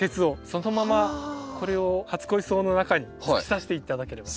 そのままこれを初恋草の中に突き刺して頂ければ。